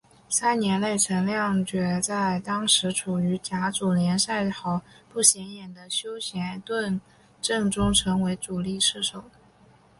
三年内陈亮镛在当时处于甲组联赛豪不显眼的修咸顿阵中成为主力射手。